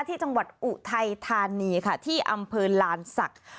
ที่จังหวัดอุไททานีค่ะที่อำเภอลานศักดิ์